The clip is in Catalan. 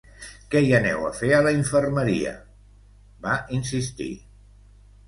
Què hi aneu a fer, a la infermeria? –va insistir.